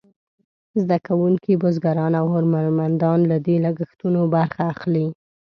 زده کوونکي، بزګران او هنرمندان له دې لګښتونو برخه اخلي.